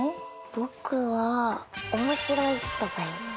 僕は面白い人がいいです。